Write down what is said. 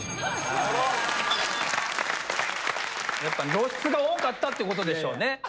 やっぱ露出が多かったってことでしょうね